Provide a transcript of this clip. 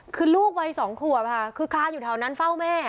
คือลูกวัย๒ขวบค่ะคือคลานอยู่แถวนั้นเฝ้าแม่